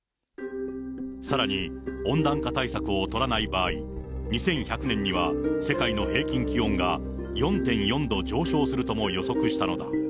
さらに温暖化対策を取らない場合、２１００年には、世界の平均気温が４．４度上昇するとも予測したのだ。